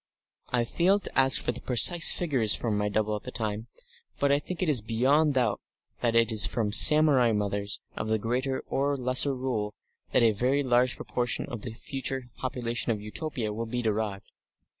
I failed to ask for the precise figures from my double at the time, but I think it is beyond doubt that it is from samurai mothers of the Greater or Lesser Rule that a very large proportion of the future population of Utopia will be derived.